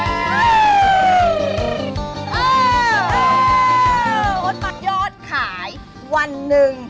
เออคนตะยอดขายวันหนึ่ง